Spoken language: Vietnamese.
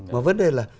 mà vấn đề là